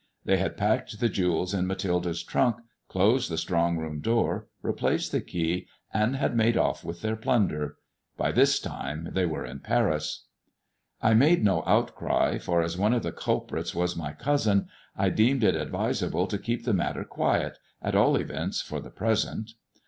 They had packed the jewels in Mathilde's trunk, closed the strong room door, replaced the key, and had made off with their plunder. By this time they were in Paris. I made no outcry, for as one of the culprits was my cousin, I deemed it advisable to keep the matter quiet, at all events for the present.